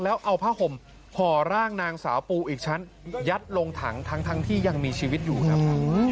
แล้วเอาผ้าห่มห่อร่างนางสาวปูอีกชั้นยัดลงถังทั้งที่ยังมีชีวิตอยู่ครับ